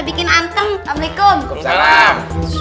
bikin antem assalamualaikum salam